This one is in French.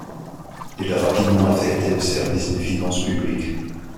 Il est rapidement affecté au service des finances publiques.